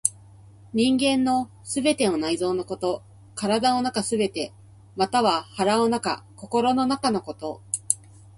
人間の全ての内臓のこと、体の中すべて、または腹の中、心の中のこと。